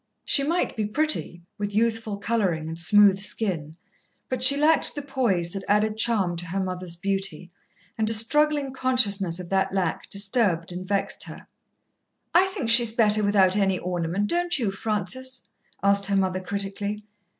She might be pretty, with youthful colouring and smooth skin, but she lacked the poise that added charm to her mother's beauty, and a struggling consciousness of that lack disturbed and vexed her. "I think she's better without any ornament, don't you, Francis?" asked her mother critically.